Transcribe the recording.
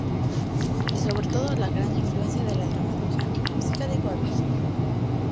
Y, sobre todo, la gran influencia de la dramaturgia y la música de Wagner.